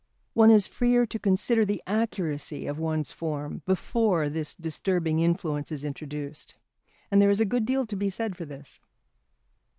One is freer to consider the accuracy of one's form before this disturbing influence is introduced. And there is a good deal to be said for this.